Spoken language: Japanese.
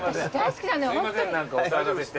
すいませんお騒がせして。